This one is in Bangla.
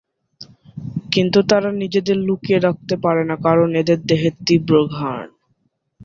কিন্তু তারা নিজেদের লুকিয়ে রাখতে পারে না, কারণ এদের দেহের তীব্র ঘ্রাণ।